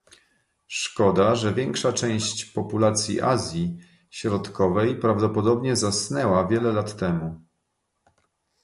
Szkoda, że większa część populacji Azji Środkowej prawdopodobnie zasnęła wiele lat temu